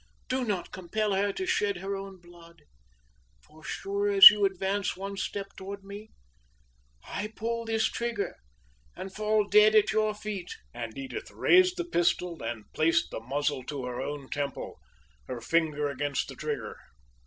Do not compel her to shed her own blood! for, sure as you advance one step toward me, I pull this trigger, and fall dead at your feet." And Edith raised the pistol and placed the muzzle to her own temple her finger against the trigger.